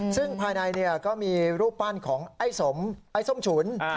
ซึ่งภายในก็มีรูปปั้นของไอ้สมไอ้ส้มฉุน